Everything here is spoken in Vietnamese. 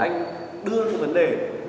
anh đưa vấn đề